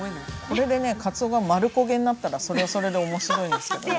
これでねかつおが丸焦げになったらそれはそれで面白いんですけどね。